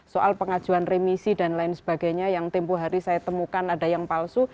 soal pengajuan remisi dan lain sebagainya yang tempoh hari saya temukan ada yang palsu